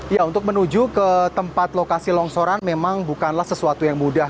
ya untuk menuju ke tempat lokasi longsoran memang bukanlah sesuatu yang mudah